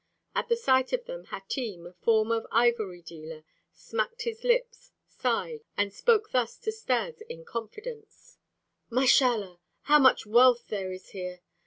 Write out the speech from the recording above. At the sight of them Hatim, a former ivory dealer, smacked his lips, sighed, and spoke thus to Stas in confidence: "Mashallah! How much wealth there is here!